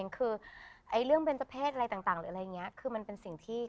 คือเรื่องเตะเพศอะไรต่างมันเป็นสิ่งที่